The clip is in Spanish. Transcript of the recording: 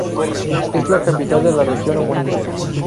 Es la capital de la región homónima.